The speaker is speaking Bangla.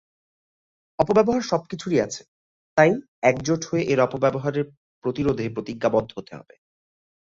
অপব্যবহার সবকিছুরই আছে, তাই একজোট হয়ে এর অপব্যবহার প্রতিরোধে প্রতিজ্ঞাবদ্ধ হতে হবে।